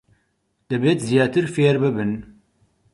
دەبێت زیاتر فێر ببن.